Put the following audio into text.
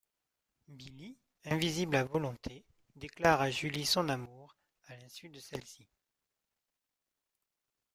Billy, invisible à volonté, déclare à Julie son amour, à l'insu de celle-ci.